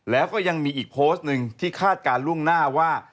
แล้วก็ยังมีอีกโพสต์หนึ่งที่คาดการณ์ล่วงหน้าว่า